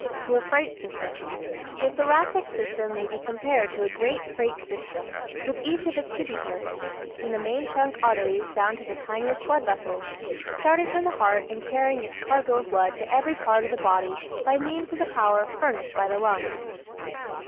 Your Freight System ¶ The Thoracic system may be compared to a great freight system, with each of its tributaries from the main trunk arteries down to the tiniest blood vessels starting from the heart and carrying its cargo of blood to every part of the body by means of the power furnished by the lungs.